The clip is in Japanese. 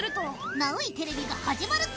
ナウいテレビが始まるぜ。